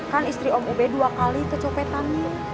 kan istri om ub dua kali kecopetan